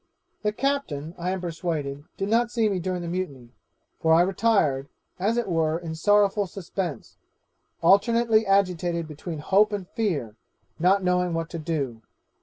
The captain, I am persuaded, did not see me during the mutiny, for I retired, as it were, in sorrowful suspense, alternately agitated between hope and fear, not knowing what to do.